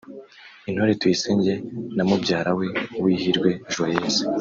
Intore Tuyisenge na mubyara we Uwihirwe Joyeuse